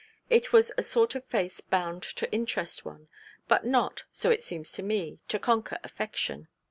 It was a sort of face bound to interest one; but not, so it seems to me, to conquer affection.